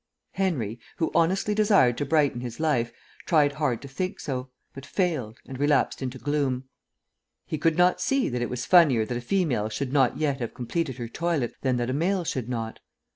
Henry, who honestly desired to brighten his life, tried hard to think so, but failed, and relapsed into gloom. He could not see that it was funnier that a female should not yet have completed her toilet than that a male should not.